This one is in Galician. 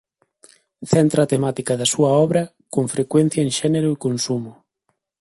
Centra a temática da súa obra con frecuencia en xénero e consumo.